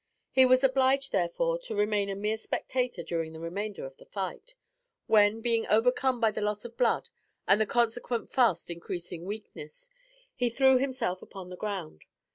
He was obliged, therefore, to remain a mere spectator during the remainder of the fight; when, being overcome by the loss of blood and the consequent fast increasing weakness, he threw himself upon the ground.